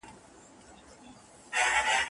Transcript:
په سندرو په غزل په ترانو کي